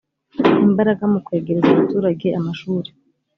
imbaraga mu kwegereza abaturage amashuri